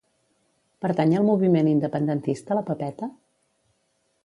Pertany al moviment independentista la Pepeta?